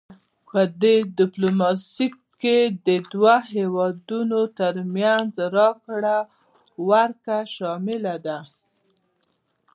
پدې ډیپلوماسي کې د دوه هیوادونو ترمنځ راکړه ورکړه شامله ده